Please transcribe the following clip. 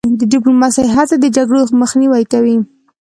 د ډیپلوماسی هڅې د جګړو مخنیوی کوي.